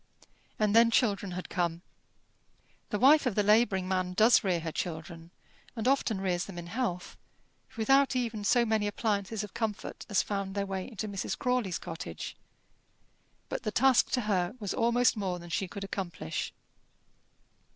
And then children had come. The wife of the labouring man does rear her children, and often rears them in health, without even so many appliances of comfort as found their way into Mrs. Crawley's cottage; but the task to her was almost more than she could accomplish.